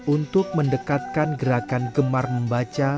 untuk mendekatkan gerakan gemar membaca